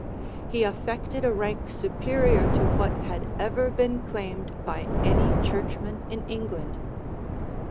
He affected a rank superior to what had ever been claimed by any churchman in England.